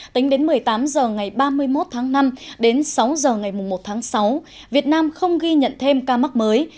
tính đến một mươi tám h ngày ba mươi một tháng năm đến sáu h ngày một tháng sáu việt nam không ghi nhận thêm ca mắc mới